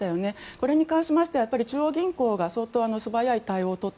これに関しては中央銀行が相当、素早い対応を取った。